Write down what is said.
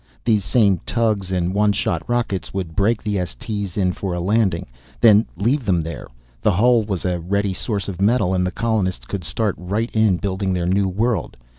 These same tugs and one shot rockets would brake the S. T.'s in for a landing. Then leave them there. The hull was a ready source of metal and the colonists could start right in building their new world.